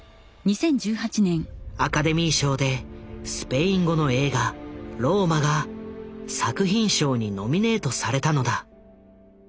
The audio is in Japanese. アカデミー賞でスペイン語の映画「ＲＯＭＡ／ローマ」が作品賞にノミネートされたのだ。